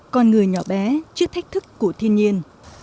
con người nhỏ bé trước thách thức của thiên nhiên